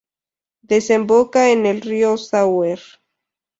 Desemboca en el río Sauer.